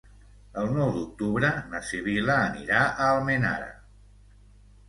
El nou d'octubre na Sibil·la anirà a Almenara.